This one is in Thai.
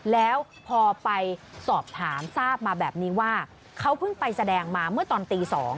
แล้วพอไปสอบถามทราบมาแบบนี้ว่าเขาเพิ่งไปแสดงมาเมื่อตอนตี๒